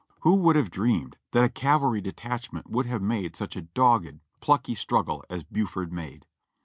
Who would have dreamed that a cavalry detachment would have made such a dogged, plucky struggle as Buford made.